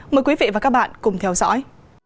mời quý vị và các bạn cùng theo dõi